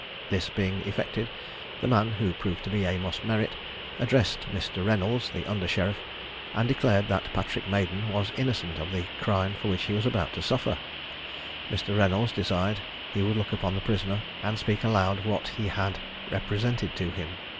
This being effected, the man, who proved to be Amos Merritt, addressed Mr. Reynolds, the under sheriff, and declared that Patrick Maden was innocent of the crime for which he was about to suffer. Mr. Reynolds desired he would look upon the prisoner, and speak aloud what he had represented to him.